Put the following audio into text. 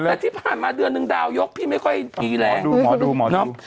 แต่ที่ผ่านมาเดือนหนึ่งดาวยกพี่ไม่ค่อยดีแหละ